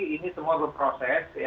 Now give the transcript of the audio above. ini semua berproses